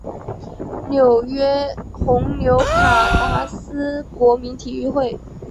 纽约红牛卡达斯国民体育会